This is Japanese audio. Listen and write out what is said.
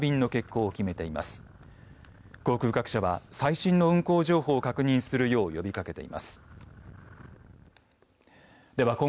航空各社は最新の運航情報を確認するよう呼びかけています。